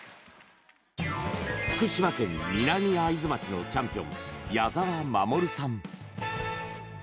福島県南会津町のチャンピオン矢澤守さん。